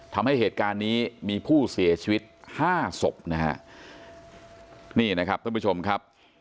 ทำให้เหตุการณ์นี้มีผู้เสียชีวิตห้าศพนะฮะนี่นะครับท่านผู้ชมครับ